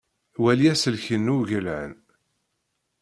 Wali aselkin n uwgelhen.